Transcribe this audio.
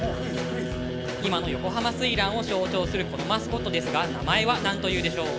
今の横浜翠嵐を象徴するこのマスコットですが名前は何というでしょう？